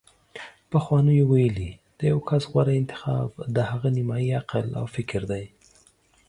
پخوانیو ویلي: د یو کس غوره انتخاب د هغه نیمايي عقل او فکر دی